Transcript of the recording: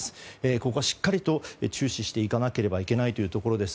ここ、しっかりと注視していかなければいけないところです。